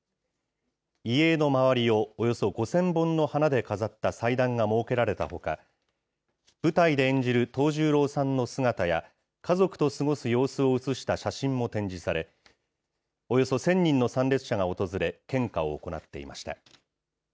遺影の周りをおよそ５０００本の花で飾った祭壇が設けられたほか、舞台で演じる藤十郎さんの姿や、家族と過ごす様子を写した写真も展示され、およそ１０００人の参列者が訪れ、献花を行っていました。